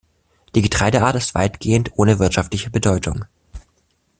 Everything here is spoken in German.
Die Getreideart ist weitgehend ohne wirtschaftliche Bedeutung.